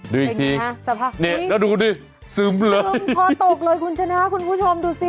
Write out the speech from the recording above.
ดูอีกทีนี่แล้วดูดิซึมเลยซึมคอตกเลยคุณชนะคุณผู้ชมดูสิ